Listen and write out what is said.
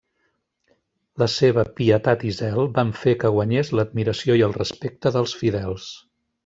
La seva pietat i zel van fer que guanyés l'admiració i el respecte dels fidels.